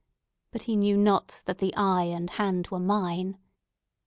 But he knew not that the eye and hand were mine!